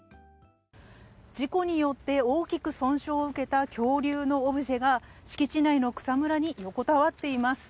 事故によって大きく損傷を受けた恐竜のオブジェが敷地内の草むらに横たわっています。